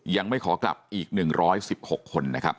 ยังไม่ขอกลับอีก๑๑๖คนนะครับ